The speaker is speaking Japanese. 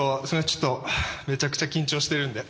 ちょっとめちゃくちゃ緊張してるんで。